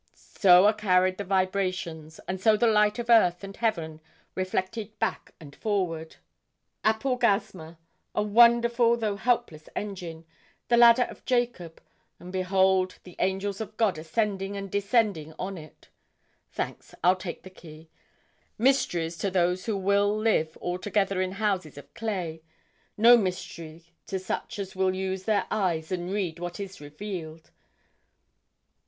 So are carried the vibrations, and so the light of earth and heaven reflected back and forward apaugasma, a wonderful though helpless engine, the ladder of Jacob, and behold the angels of God ascending and descending on it. Thanks, I'll take the key. Mysteries to those who will live altogether in houses of clay, no mystery to such as will use their eyes and read what is revealed.